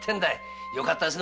よかったですね